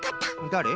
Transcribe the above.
だれ？